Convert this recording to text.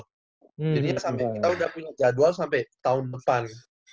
jadi kita udah punya jadwal sampai tahun depan